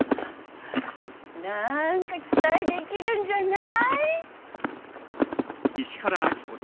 何か期待できるんじゃない。